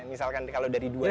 misalkan kalau dari dua